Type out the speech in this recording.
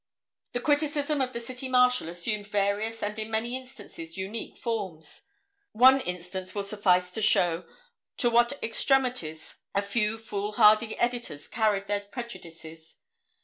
The criticism of the City Marshal assumed various and in many instances unique forms. One instance will suffice to show to what extremities a few foolhardy editors carried their prejudices.